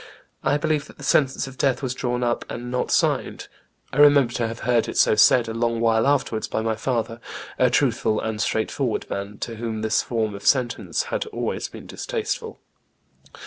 I believe that the sentence of death was drawn up and not signed. I remember to have heard it so said a long while afterwards by my father, a truthful and straightforward man, to whom this form of sentence had always been distasteful."